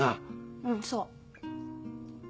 うんそう。